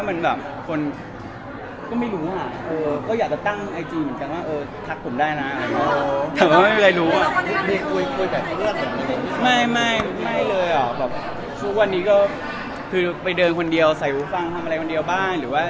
ไม่นะคือผมพร้อมจะเข้าใจทุกคนนะแล้วเราก็พร้อมที่จะเรียนรู้อะไรแบบนี้ถ้ามันมีโอกาส